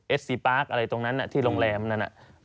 เอสซีปาร์คอะไรตรงนั้นน่ะที่โรงแรมนั้นน่ะ